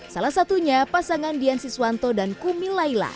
salah satunya pasangan dian siswanto dan kumil laila